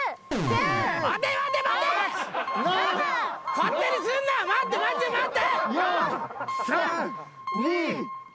勝手にすんな待ってマジで待って！